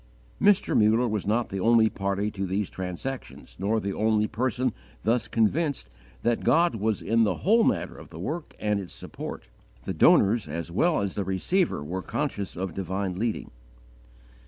Mr. Muller was not the only party to these transactions, nor the only person thus convinced that God was in the whole matter of the work and its support. The donors as well as the receiver were conscious of divine leading.